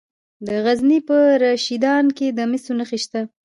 د غزني په رشیدان کې د مسو نښې شته.